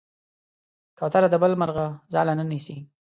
کوتره د بل مرغه ځاله نه نیسي.